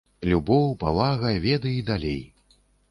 Любоў, павага, веды і далей.